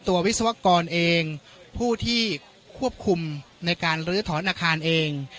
วิศวกรเองผู้ที่ควบคุมในการลื้อถอนอาคารเอง